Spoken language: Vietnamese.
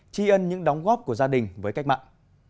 cụ trịnh bá vĩ là một trong số những gia đình có công với cách mạng